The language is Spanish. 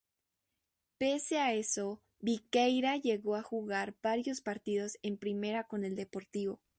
Pese a eso, Viqueira llegó a jugar varios partidos en Primera con el Deportivo.